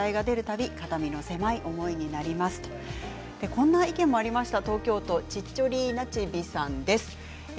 このような意見もありました。